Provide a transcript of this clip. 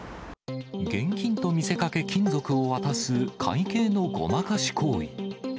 現金と見せかけ、金属を渡す会計のごまかし行為。